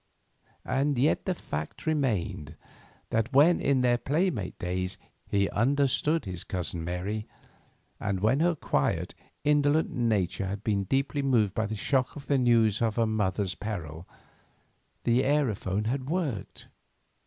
And yet the fact remained that when, in their playmate days, he understood his cousin Mary, and when her quiet, indolent nature had been deeply moved by the shock of the news of her mother's peril, the aerophone had worked.